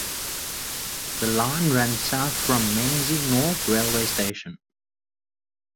The line runs south from Mengzi North railway station.